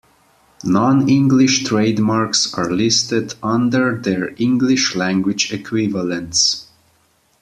Non-English trademarks are listed under their English-language equivalents.